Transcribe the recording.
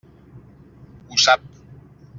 Ho sap.